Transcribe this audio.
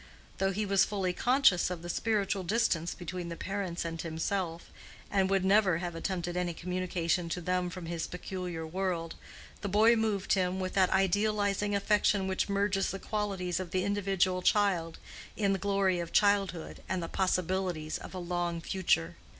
Though he was fully conscious of the spiritual distance between the parents and himself, and would never have attempted any communication to them from his peculiar world, the boy moved him with that idealizing affection which merges the qualities of the individual child in the glory of childhood and the possibilities of a long future.